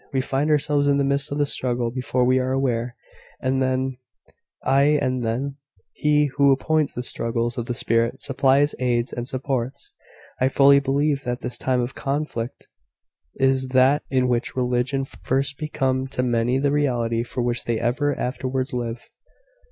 We find ourselves in the midst of the struggle before we are aware. And then " "Ay, and then " "He, who appoints the struggles of the spirit, supplies aids and supports. I fully believe that this time of conflict is that in which religion first becomes to many the reality, for which they ever afterwards live.